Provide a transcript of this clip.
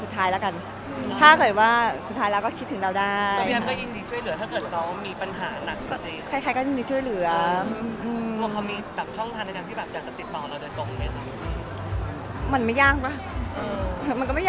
เราขอบอกว่าโหมายังหายไม่เจอแต่เดี๋ยวรอผู้ภัย